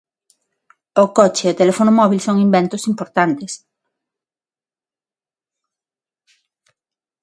O coche e o teléfono móbil son inventos importantes.